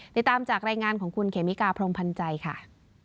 ติดตามจากรายงานของคุณเขมิกาพรมพันธ์ใจค่ะ